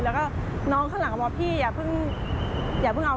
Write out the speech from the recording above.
แล้วก็น้องข้างหลังก็บอกพี่อย่าเพิ่งเอา